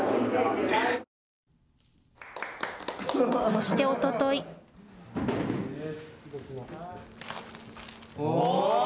そして、おととい。